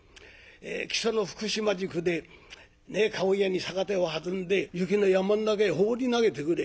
木曽の福島宿で駕籠屋に酒手をはずんで「雪の山ん中へ放り投げてくれ」。